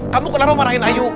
kamu kenapa marahin ayu